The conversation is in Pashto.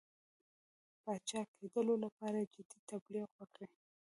پاچاکېدلو لپاره جدي تبلیغ وکړي.